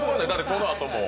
このあとも。